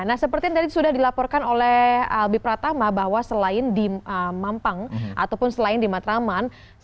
nah seperti yang tadi sudah dilaporkan oleh albi pratama bahwa selain di mampang ataupun selain di matraman